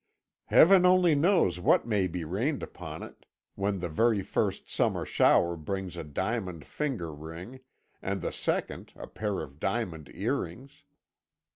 Heaven only knows what may be rained upon it when the very first summer shower brings a diamond finger ring, and the second a pair of diamond earrings.